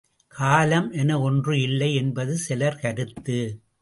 காலம் என ஒன்று இல்லை என்பது சிலர் கருத்து.